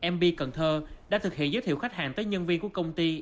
mb cần thơ đã thực hiện giới thiệu khách hàng tới nhân viên của công ty